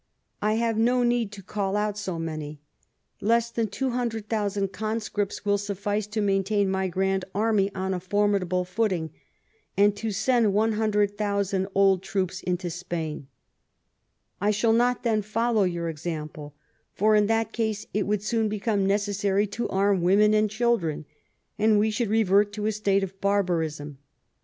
I have no need to call out so many. Less than 200,000 conscripts will suffice to maintain my grand army on a formidable footing, and to send 100,000 old troops into Spain. I shall not then follow your example, for in that case it would soon become necessarj' to arm women and chil dren, and we should revert to a state of barbarism.